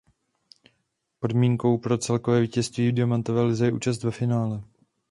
Podmínkou pro celkové vítězství v Diamantové lize je účast ve finále.